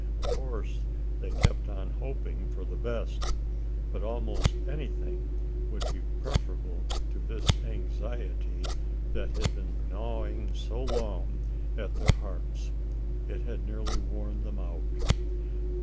Of course they kept on hoping for the best; but almost anything would be preferable to this anxiety that had been gnawing so long at their hearts, it had nearly worn them out.